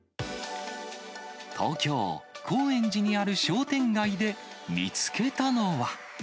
東京・高円寺にある商店街で見つけたのは。